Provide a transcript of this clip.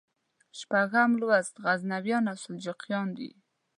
شپږم لوست غزنویان او سلجوقیان دي.